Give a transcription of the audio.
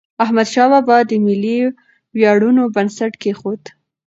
احمدشاه بابا د ملي ویاړونو بنسټ کېښود.